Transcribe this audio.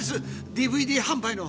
ＤＶＤ販売の。